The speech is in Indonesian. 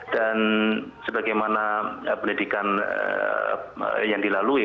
dan sebagaimana pendidikan yang dilalui